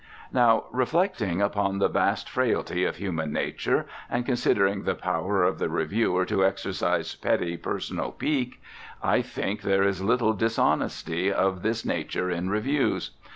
Now, reflecting upon the vast frailty of human nature, and considering the power of the reviewer to exercise petty personal pique, I think there is little dishonesty of this nature in reviews.